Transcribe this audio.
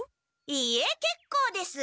いいえけっこうです。